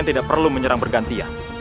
tidak perlu menyerang bergantian